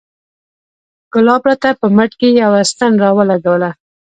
ګلاب راته په مټ کښې يوه ستن راولګوله.